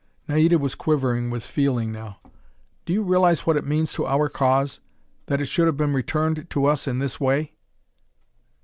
Naida was quivering with feeling now. "Do you realize what it means to our cause that it should have been returned to us in this way?"